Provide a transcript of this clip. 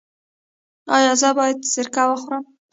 ایا زه باید سرکه وخورم؟